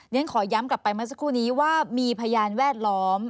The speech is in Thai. ฉันขอย้ำกลับไปเมื่อสักครู่นี้ว่ามีพยานแวดล้อม